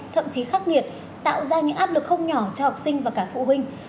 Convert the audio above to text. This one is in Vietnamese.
thậm chí khắc nghiệt tạo ra những áp lực không nhỏ cho học sinh và cả phụ huynh